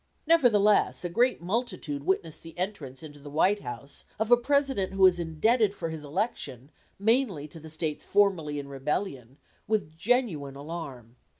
Nevertheless a great multitude witnessed the entrance into the White House of a President who is indebted for his election mainly to the States formerly in rebellion, with genuine alarm.